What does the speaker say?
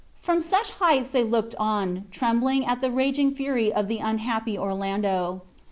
From such heights they looked on, trembling at the raging fury of the unhappy Orlando.